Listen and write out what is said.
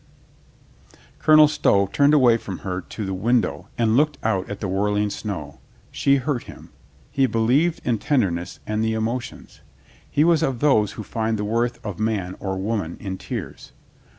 Colonel Stow turned away from her to the win dow and looked out at the whirling snow. She hurt him. He believed in tenderness and the emo tions. He was of those who find the worth of man or woman in tears.